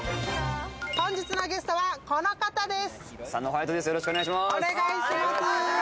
本日のゲストはこの方です。